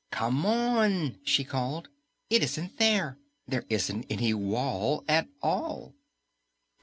"Come on!" she called. "It isn't there. There isn't any wall at all."